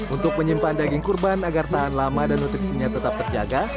untuk menyimpan daging kurban agar tahan lama dan nutrisinya tetap terjaga